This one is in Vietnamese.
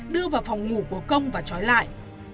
đưa vào phòng ngủ của công và trói lại